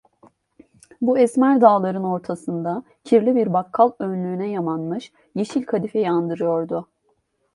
Bu esmer dağların ortasında, kirli bir bakkal önlüğüne yamanmış yeşil kadifeyi andırıyordu.